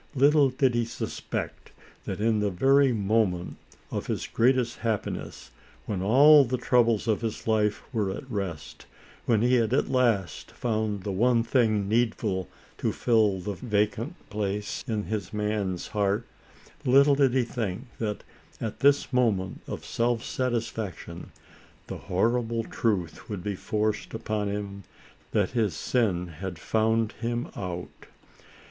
Little did he suspect that, in the very moment of his greatest happiness, when all the troubles of his life were at rest, when he had at last found the one thing needful to fill the vacant place in his man's heart, — little did he think, that, at this moment of self satisfaction, the horrible truth would be forced upon him that his sin had found him out.